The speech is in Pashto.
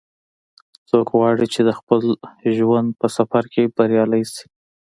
څوک غواړي چې د خپل ژوند په سفر کې بریالۍ شي